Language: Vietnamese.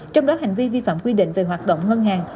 trong đó hành vi vi phạm quy định về hoạt động ngân hàng